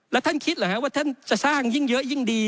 แล้วท่านคิดเหรอฮะว่าท่านจะสร้างยิ่งเยอะยิ่งดี